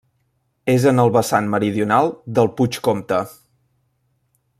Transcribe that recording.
És en el vessant meridional del Puig Comte.